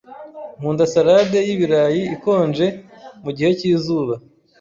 Nkunda salade y'ibirayi ikonje mugihe cyizuba.